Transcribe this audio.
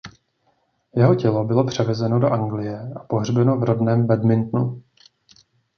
Jeho tělo bylo převezeno do Anglie a pohřbeno v rodném Badmintonu.